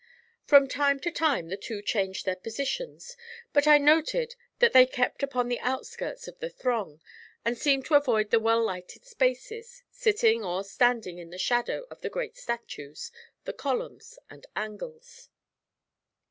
From time to time the two changed their positions, but I noted that they kept upon the outskirts of the throng, and seemed to avoid the well lighted spaces, sitting or standing in the shadow of the great statues, the columns, and angles.